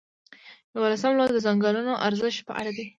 یوولسم لوست د څنګلونو ارزښت په اړه دی.